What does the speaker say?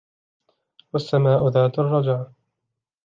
والسماء ذات الرجع